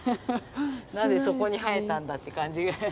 なぜそこに生えたんだって感じが。